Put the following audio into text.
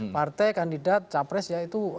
partai kandidat capres ya itu